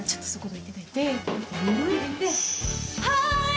はい！